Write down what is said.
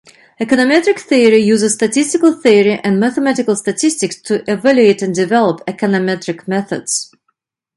Econometric theory uses statistical theory and mathematical statistics to evaluate and develop econometric methods.